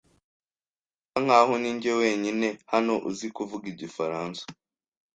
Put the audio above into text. Birasa nkaho ninjye wenyine hano uzi kuvuga igifaransa.